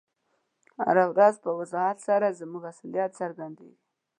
هره ورځ په وضاحت سره زموږ اصلیت څرګندیږي.